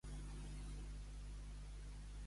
Què hi ha pitjor que el diable? el vi.